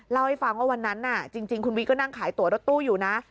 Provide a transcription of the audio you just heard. เล่าให้ฟังว่าวันนั้นจริงคุณวิก็นั่งขายตัวรถตู้อยู่นะ